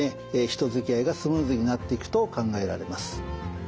人づきあいがスムーズになっていくと考えられます。